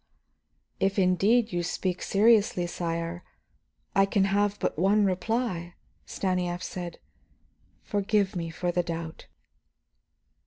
"If you indeed speak seriously, sire, I can have but one reply," Stanief said. "Forgive me for the doubt."